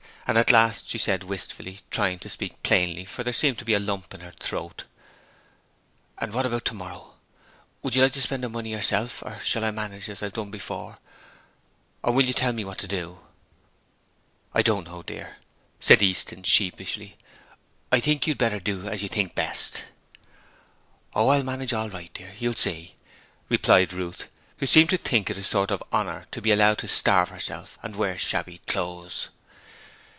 At last she said, wistfully, trying to speak plainly for there seemed to be a lump in her throat: 'And what about tomorrow? Would you like to spend the money yourself, or shall I manage as I've done before, or will you tell me what to do?' 'I don't know, dear,' said Easton, sheepishly. 'I think you'd better do as you think best.' 'Oh, I'll manage all right, dear, you'll see,' replied Ruth, who seemed to think it a sort of honour to be allowed to starve herself and wear shabby clothes.